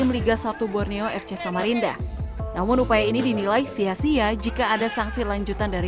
liga satu borneo fc samarinda namun upaya ini dinilai sia sia jika ada sanksi lanjutan dari